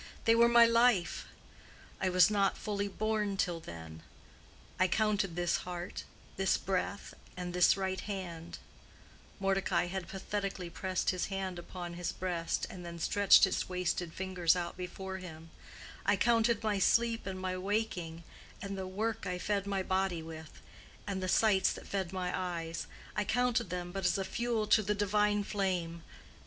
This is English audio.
They were my life; I was not fully born till then. I counted this heart, and this breath, and this right hand"—Mordecai had pathetically pressed his hand upon his breast, and then stretched its wasted fingers out before him—"I counted my sleep and my waking, and the work I fed my body with, and the sights that fed my eyes—I counted them but as fuel to the divine flame.